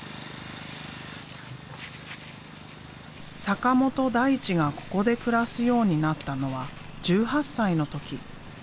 坂本大知がここで暮らすようになったのは１８歳の時。